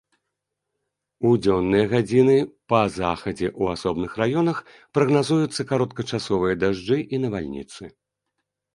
У дзённыя гадзіны па захадзе ў асобных раёнах прагназуюцца кароткачасовыя дажджы і навальніцы.